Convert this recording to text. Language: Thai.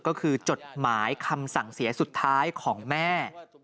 ก็คือจดหมายคำสั่งเสียสุดท้ายของแม่